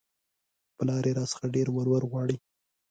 پلار يې راڅخه ډېر ولور غواړي